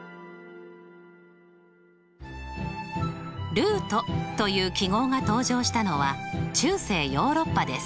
ルートという記号が登場したのは中世ヨーロッパです。